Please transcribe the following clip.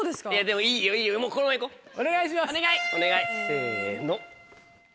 せの。